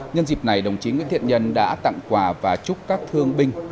nhân dịp này đồng chí nguyễn thiện nhân đã tặng quà và chúc các thương binh